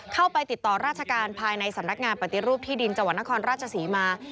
เข้าไปติดต่อราชการภายในสำนักงานปฏิรูปที่ดินจังหวัดนครราชศรีมา